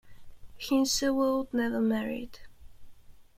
Hinshelwood never married.